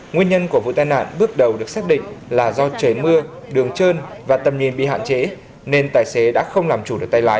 nguyên nhân của vụ tai nạn bước đầu được xác định là do trời mưa đường trơn và tầm nhìn bị hạn chế nên tài xế đã không làm chủ được tay lái